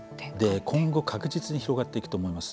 今後確実に広がっていくと思います。